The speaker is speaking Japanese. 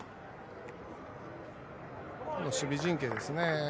守備陣形ですね。